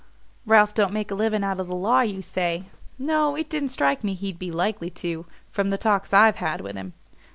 "Ralph don't make a living out of the law, you say? No, it didn't strike me he'd be likely to, from the talks I've had with him.